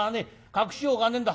隠しようがねえんだ。